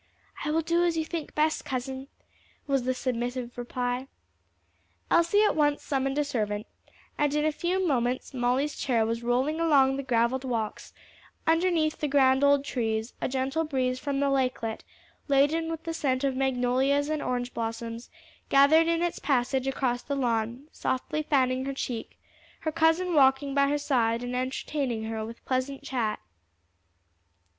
"I will do as you think best, cousin," was the submissive reply. Elsie at once summoned a servant, and in a few moments Molly's chair was rolling along the gravelled walks, underneath the grand old trees, a gentle breeze from the lakelet, laden with the scent of magnolias and orange blossoms, gathered in its passage across the lawn, softly fanning her cheek, her cousin walking by her side and entertaining her with pleasant chat.